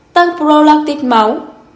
tăng prolactin máu